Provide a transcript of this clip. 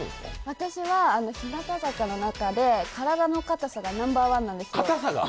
私は日向坂の中で体の硬さがナンバーワンなんですよ。